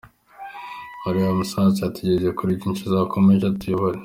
Uriya musaza yatugejeje kuri byinshi azakomeze atuyobore.